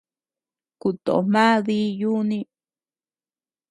Kuto mà dii yuni.